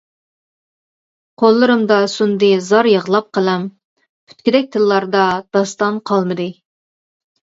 قوللىرىمدا سۇندى زار يىغلاپ قەلەم، پۈتكۈدەك تىللاردا داستان قالمىدى.